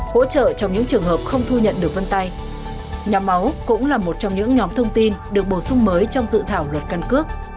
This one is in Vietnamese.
hỗ trợ trong những trường hợp không thu nhận được vân tay nhóm máu cũng là một trong những nhóm thông tin được bổ sung mới trong dự thảo luật căn cước